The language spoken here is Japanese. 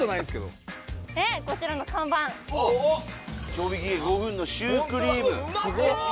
賞味期限５分のシュークリームすごっ！